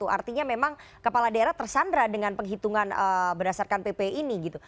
artinya memang kepala daerah tersandra dengan penghitungan berdasarkan pp ini gitu